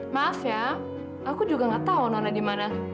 maaf ya aku juga gak tau nona dimana